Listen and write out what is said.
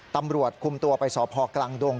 ตำรวจคุมตัวไปสพกลางดง